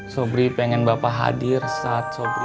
sobri pengen bapak hadir saat sobri